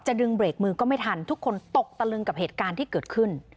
ดึงเบรกมือก็ไม่ทันทุกคนตกตะลึงกับเหตุการณ์ที่เกิดขึ้น